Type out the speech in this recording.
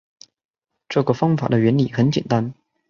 这个方法的原理很简单